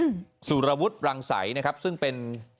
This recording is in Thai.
ซึ่งเป็นผู้อุ้มนุ่ยการกองคดีความผิดเกี่ยวกับการเสนอราคาต่อน๑๙๑๙นอร